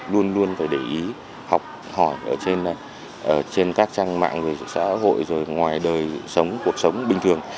luôn luôn phải để ý học hỏi ở trên các trang mạng xã hội ngoài đời sống cuộc sống bình thường